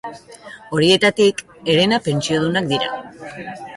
Horietatik, herena pentsiodunak dira.